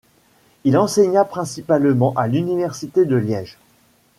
Il enseigna principalement à l'université de Liège.